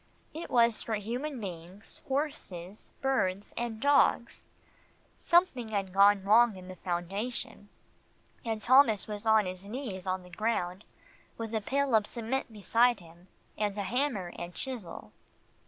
It was for human beings, horses, birds and dogs. Something had gone wrong in the foundation, and Thomas was on his knees on the ground, with a pail of cement beside him, and a hammer and chisel.